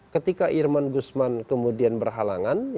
ketika irman gusman kemudian berhalangan